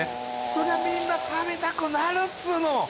そりゃみんな食べたくなるっつーの！